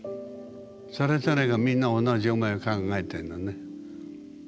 それぞれがみんな同じ思いを考えているのね。